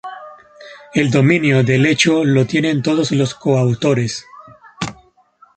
El dominio del hecho lo tienen todos los coautores.